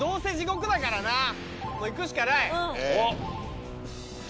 行くしかない。